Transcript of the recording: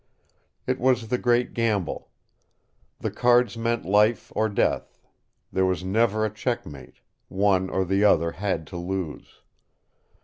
It was the great gamble. The cards meant life or death; there was never a checkmate one or the other had to lose.